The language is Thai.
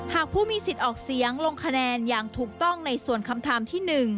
หากผู้มีสิทธิ์ออกเสียงลงคะแนนอย่างถูกต้องในส่วนคำถามที่๑